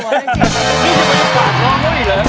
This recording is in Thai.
นี่จะไปฝากน้องเขาอีกหรือ